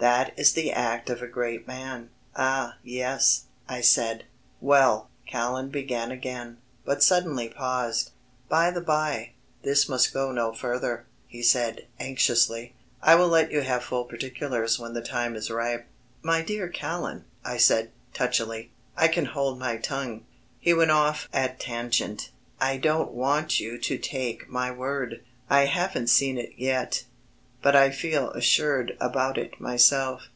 That is the act of a great man." "Ah, yes," I said. "Well," Callan began again, but suddenly paused. "By the bye, this must go no farther," he said, anxiously, "I will let you have full particulars when the time is ripe." "My dear Callan," I said, touchily, "I can hold my tongue." He went off at tangent. "I don't want you to take my word I haven't seen it yet. But I feel assured about it myself.